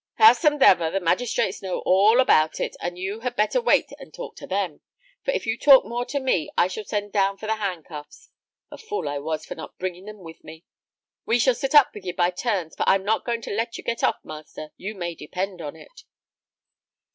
"Howsumdever, the magistrates know all about it, and you had better wait and talk to them, for if you talk more to me I shall send down for the handcuffs: a fool I was for not bringing them with me. We shall sit up with ye by turns, for I am not going to let ye get off, master, you may depend upon it."